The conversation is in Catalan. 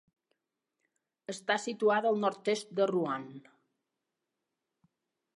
Està situada al nord-est de Rouen.